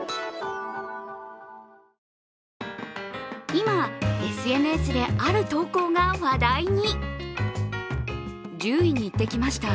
今、ＳＮＳである投稿が話題に。